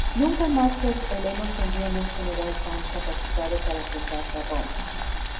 Nunca más los helenos tendrían un general tan capacitado para enfrentarse a Roma.